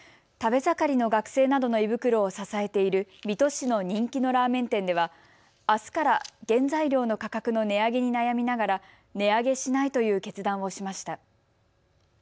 食べ盛りの学生などの胃袋を支えている水戸市の人気のラーメン店ではあすから原材料の価格の値上げに悩みながら値上げしないという決断をしました。